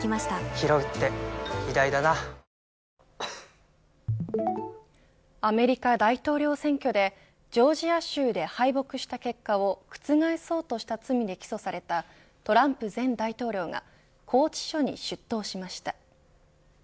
ひろうって偉大だなアメリカ大統領選挙でジョージア州で敗北した結果を覆そうとした罪で起訴されたトランプ前大統領が拘置所に出頭しました。